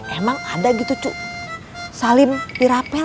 emang ada gitu cu salim tirapel